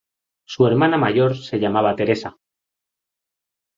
Su hermana mayor se llamaba Teresa.